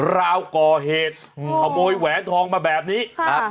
ราวก่อเหตุขโมยแหวนทองมาแบบนี้ครับ